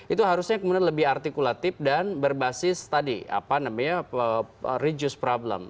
itu harusnya kemudian lebih artikulatif dan berbasis tadi apa namanya reduce problem